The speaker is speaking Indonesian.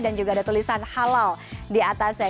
dan juga ada tulisan halal di atasnya